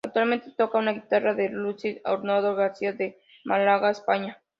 Actualmente toca una guitarra del luthier Arnoldo García de Málaga, España.